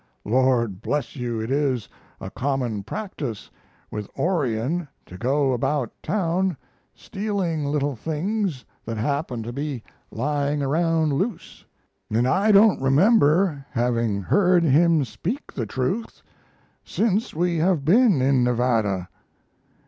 Lord bless you, it is a common practice with Orion to go about town stealing little things that happen to be lying around loose. And I don't remember having heard him speak the truth since we have been in Nevada.